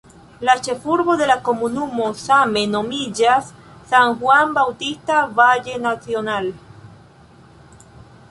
La ĉefurbo de la komunumo same nomiĝas "San Juan Bautista Valle Nacional".